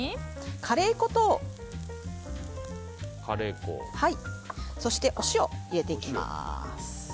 カレー粉とお塩を入れていきます。